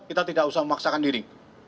kita tidak usah memaksakan diri